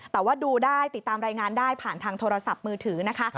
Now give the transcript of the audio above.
แต่ว่าดูได้ติดตามรายงานได้ผ่านทางโทรศัพท์มือถือนะคะ